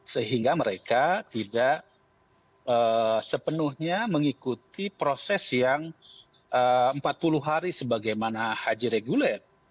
sehingga mereka tidak sepenuhnya mengikuti proses yang empat puluh hari sebagaimana haji reguler